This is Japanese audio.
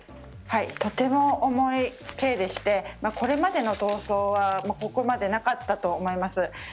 とても重い刑でしてこれまでの暴走はここまでなかったと思います。